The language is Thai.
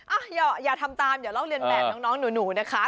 โอ้ยอย่าอย่าทำตามเดี๋ยวเราเรียนแบบน้องหนูนะคะ